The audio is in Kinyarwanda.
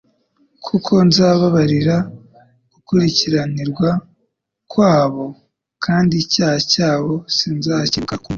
Kuko nzababarira gukiranirwa kwabo kandi icyaha cyabo sinzacyibuka ukundi